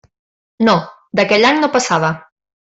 No; d'aquell any no passava.